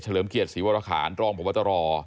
เลิมเกียรติศรีวรคารรองพบตร